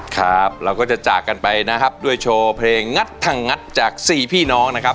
ครับเราก็จะจากกันไปนะครับด้วยโชว์เพลงงัดถังงัดจากสี่พี่น้องนะครับ